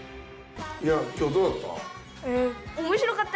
いや今日どうだった？